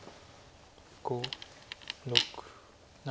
５６７。